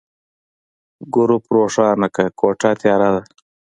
ګروپ روښانه کړه، کوټه تياره ده.